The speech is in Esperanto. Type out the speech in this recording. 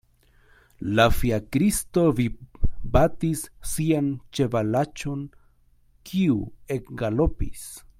La fiakristo vipbatis sian ĉevalaĉon, kiu ekgalopis.